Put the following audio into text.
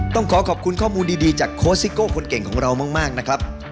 ต้องขอขอบคุณข้อมูลดีจากโค้ชซิโก้คนเก่งของเรามากนะครับ